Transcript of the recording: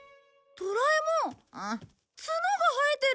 ドラえもんツノが生えてる！